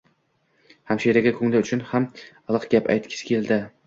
Hamshiraga ko‘ngli uchun ham iliq gap aytgisi keldi.